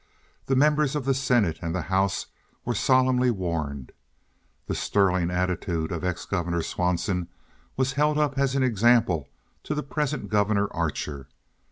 The members of the senate and the house were solemnly warned. The sterling attitude of ex Governor Swanson was held up as an example to the present Governor Archer.